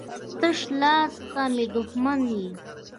تشه لاسه ته مي دښمن يي.